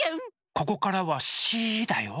ここからはシーだよ。